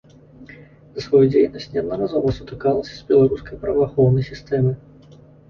За сваю дзейнасць неаднаразова сутыкалася з беларускай праваахоўнай сістэмай.